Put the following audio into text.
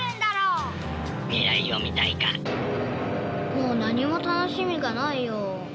もう何も楽しみがないよ。